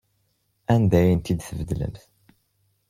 Anda ay ten-id-tbeddlemt?